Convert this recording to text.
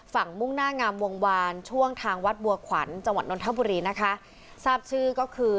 มุ่งหน้างามวงวานช่วงทางวัดบัวขวัญจังหวัดนทบุรีนะคะทราบชื่อก็คือ